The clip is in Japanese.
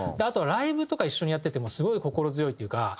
あとライブとか一緒にやっててもすごい心強いというか。